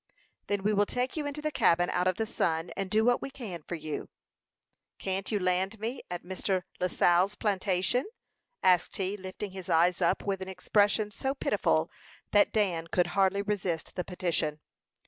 "Then we will take you into the cabin out of the sun, and do what we can for you." "Can't you land me at Mr. Lascelles' plantation?" asked he, lifting his eyes up with an expression so pitiful that Dan could hardly resist the petition.